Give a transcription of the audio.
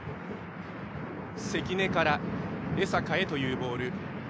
関根から江坂へというボール。